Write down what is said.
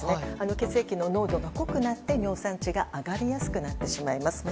血液の濃度が濃くなって尿酸値が上がりやすくなってしまいます。